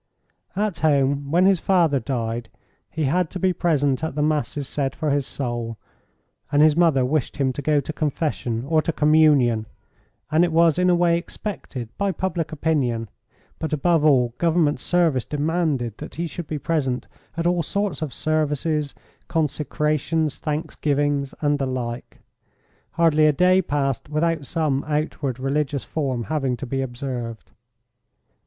At home, when his father died, he had to be present at the masses said for his soul, and his mother wished him to go to confession or to communion, and it was in a way expected, by public opinion, but above all, Government service demanded that he should be present at all sorts of services, consecrations, thanksgivings, and the like. Hardly a day passed without some outward religious form having to be observed.